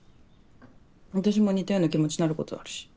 私も似たような気持ちなることあるし。